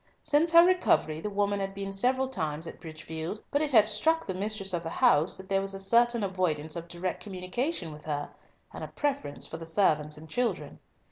Since her recovery the woman had been several times at Bridgefield, but it had struck the mistress of the house that there was a certain avoidance of direct communication with her, and a preference for the servants and children.